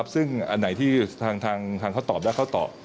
ซึ่งทางทางเขาตอบได้เขาตอบ